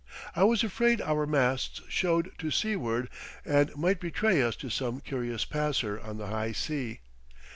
I was afraid our masts showed to seaward and might betray us to some curious passer on the high sea.